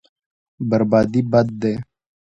بربادي بد دی.